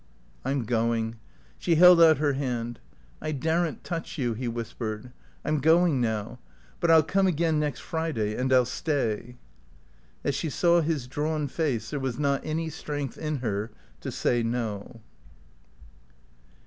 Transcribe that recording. "I'm going." She held out her hand. "I daren't touch you," he whispered. "I'm going now. But I'll come again next Friday, and I'll stay." As she saw his drawn face there was not any strength in her to say "No."